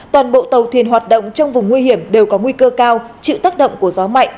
toàn bộ tàu thuyền hoạt động trong vùng nguy hiểm đều có nguy cơ cao chịu tác động của gió mạnh